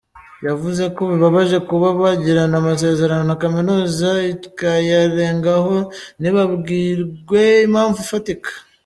Yavuze ko bibabaje kuba bagirana amasezerano na Kaminuza ikayarengaho ntibabwirwe impamvu ifatika.